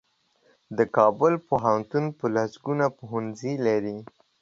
د کابل پوهنتون په لسګونو پوهنځۍ لري.